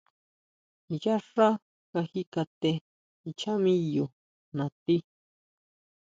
Yá xá kaji kate ncháa miyo natí.